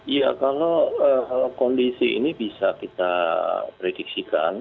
iya kalau kondisi ini bisa kita prediksikan